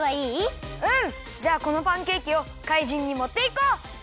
じゃあこのパンケーキをかいじんにもっていこう！